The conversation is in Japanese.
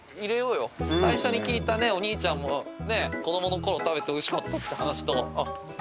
最初に聞いたお兄ちゃんも子供のころ食べておいしかったって。